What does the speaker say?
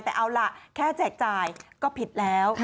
แต่เอาล่ะแค่แจกจ่ายก็ผิดแล้ว